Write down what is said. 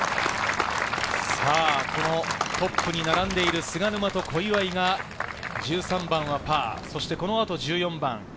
トップに並んでいる菅沼と小祝が、１３番はパー、そしてこの後１４番。